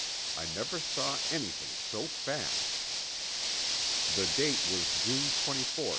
I never saw anything so fast." The date was June 24, 1947.